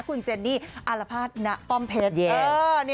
คุณเจนนี่อารภาษณป้อมเพชร